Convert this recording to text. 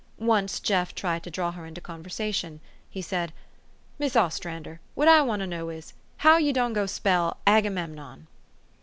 Once Jeff tried to draw her into conversation. He said, THE STORY OF AVIS. 435 "Mis' Ostrander, what I want to know is, how you done go spell Aggymemnon."